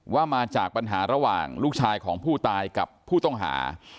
ว่ามาจากปัญหาระหว่างลูกชายของผู้ตายกับผู้ต้องหา